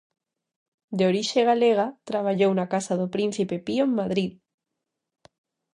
De orixe galega, traballou na Casa do Príncipe Pío en Madrid.